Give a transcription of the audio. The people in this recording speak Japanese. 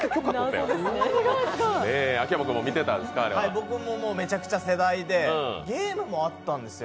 僕もめちゃくちゃ世代で、ゲームもあったんですよ。